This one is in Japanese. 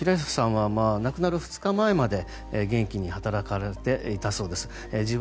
平久さんは亡くなる２日前まで元気で働かれていたそうです。